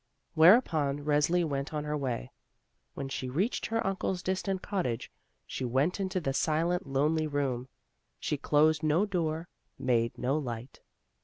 Whereupon Resli went on her way. When she reached her uncle's distant cottage, she went into the silent, lonely room. She closed no door, made no light.